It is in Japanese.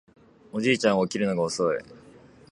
おじいちゃんは起きるのが遅い